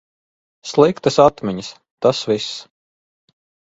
Sliktas atmiņas, tas viss.